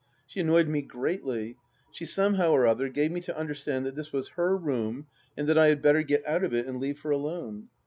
She annoyed me greatly ; she somehow or other gave me to un derstand that this was her room, and that I had better get out of it and leave her alone.